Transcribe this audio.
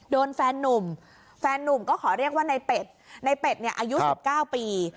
แฟนนุ่มแฟนนุ่มก็ขอเรียกว่าในเป็ดในเป็ดเนี่ยอายุ๑๙ปี